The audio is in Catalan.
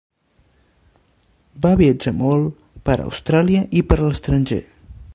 Va viatjar molt per Austràlia i per l'estranger.